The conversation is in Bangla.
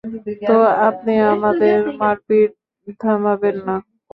তো আপনি আমাদের মারপিট থামাবেন না?